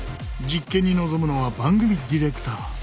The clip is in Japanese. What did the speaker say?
実験に臨むのは番組ディレクター。